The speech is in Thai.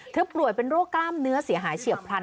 ป่วยเป็นโรคกล้ามเนื้อเสียหายเฉียบพลัน